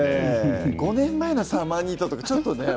５年前のサマーニットとかちょっとね